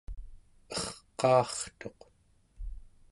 erqaartuq